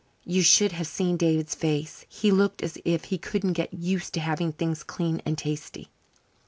You should have seen David's face. He looked as if he couldn't get used to having things clean and tasty.